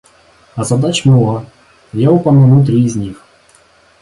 А задач много; я упомяну три из них.